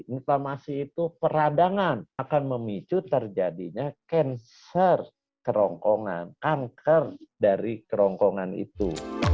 inflamasi itu peradangan akan memicu terjadinya cancer kerongkongan kanker dari kerongkongan itu